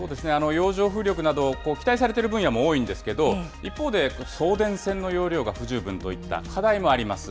洋上風力など、期待されている分野も多いんですけれども、一方で、送電線の容量が不十分といった課題もあります。